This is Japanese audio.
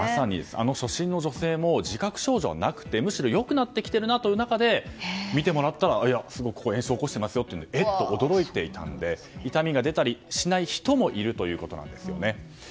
あの初診の女性も自覚症状はなくてむしろ良くなってきているなという中で診てもらったらいや、すごく炎症を起こしていますよということで驚いていたので痛みが出たりしない人もいるということなんです。